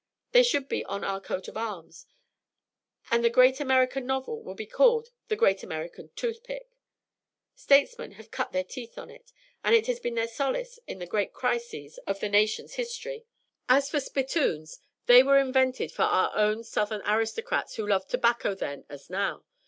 They should be on our coat of arms, and the Great American Novel will be called 'The Great American Toothpick.' Statesmen have cut their teeth on it, and it has been their solace in the great crises of the nation's history. As for spittoons, they were invented for our own Southern aristocrats who loved tobacco then as now.